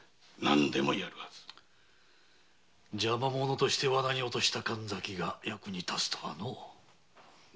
邪魔者として罠におとした神崎が役に立つとはの。